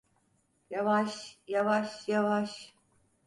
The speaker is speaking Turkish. Yavaş, yavaş, yavaş.